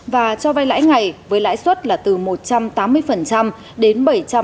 và cho vay lãi ngày với lãi suất là từ một trăm tám mươi đến bảy trăm tám mươi